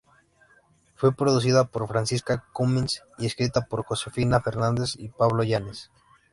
Fue producida por Francisca Cummins y escrita por Josefina Fernández y Pablo Illanes.